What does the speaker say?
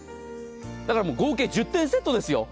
だからもう合計１０点セットですよ。